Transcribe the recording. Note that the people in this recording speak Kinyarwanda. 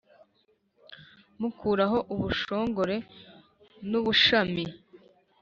mukuraho ubushongore n’ubushami